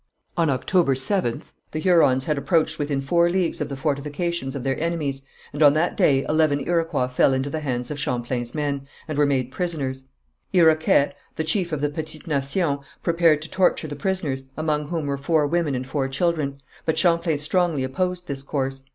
On October 7th the Hurons had approached within four leagues of the fortifications of their enemies, and on that day eleven Iroquois fell into the hands of Champlain's men, and were made prisoners. Iroquet, the chief of the Petite Nation, prepared to torture the prisoners, among whom were four women and four children, but Champlain strongly opposed this course.